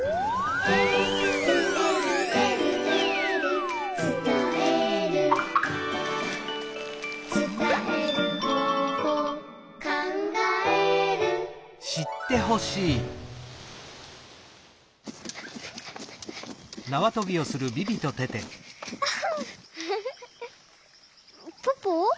「えるえるえるえる」「つたえる」「つたえる方法」「かんがえる」ポポ？